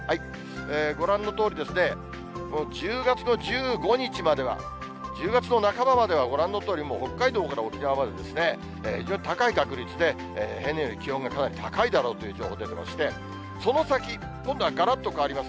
ご覧のとおりですね、１０月の１５日までは、１０月の半ばまではご覧のとおり、もう北海道から沖縄まで、非常に高い確率で、平年より気温がかなり高いだろうという予報が出てまして、その先、今度はがらっと変わります。